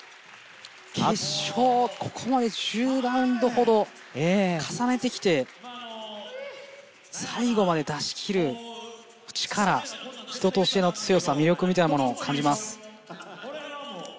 決勝、ここまで１０ラウンドほど重ねてきて最後まで出しきる力人としての強さ魅力みたいなものを感じます。